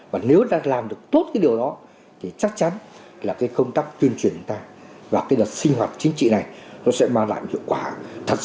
và nếu ta làm được tốt cái điều đó thì chắc chắn là cái công tác tuyên truyền của ta và cái đợt sinh hoạt chính trị này nó sẽ mang lại hiệu quả thật sự